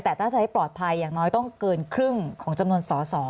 แต่ถ้าจะให้ปลอดภัยอย่างน้อยต้องเกินครึ่งของจำนวนสอสอ